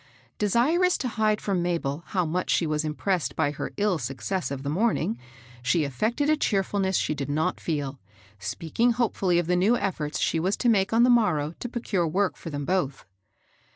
Desirous to hide fi*om Mabel how much she was impressed by her ill success of the morning, she affected a cheerfulness she did not feel, speaking hopefiilly of the new efforts she was to make on the morrow to procure work for them both.